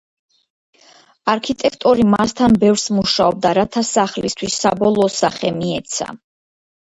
არქიტექტორი მასთან ბევრს მუშაობდა, რათა სახლისთვის საბოლოო სახე მიეცა.